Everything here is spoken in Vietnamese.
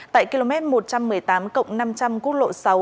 tại km một trăm một mươi tám cộng năm trăm linh quốc lộ sáu